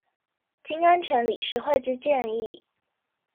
經安全理事會之建議